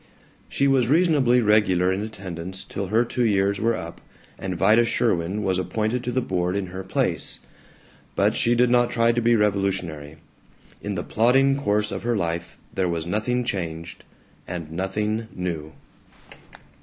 She was reasonably regular in attendance till her two years were up and Vida Sherwin was appointed to the board in her place, but she did not try to be revolutionary. In the plodding course of her life there was nothing changed, and nothing new.